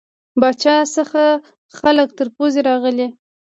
پاچا څخه خلک تر پوزې راغلي.